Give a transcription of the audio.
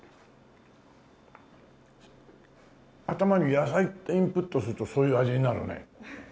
頭に野菜ってインプットするとそういう味になるね。